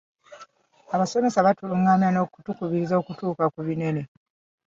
Abasomesa batulungamya n'okutukubiriza okutuuka ku binene.